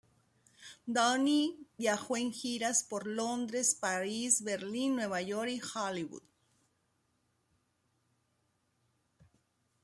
Downey viajó en giras por Londres, París, Berlín, Nueva York y Hollywood.